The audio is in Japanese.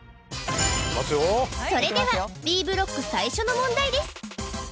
それではＢブロック最初の問題です